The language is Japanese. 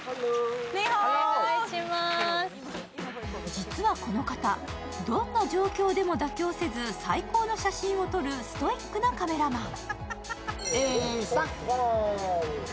実はこの方、どんな状況でも妥協せず最高の写真を撮るストイックなカメラマン。